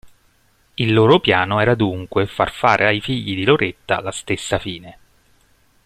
Il loro piano era dunque far fare ai figli di Loretta la stessa fine.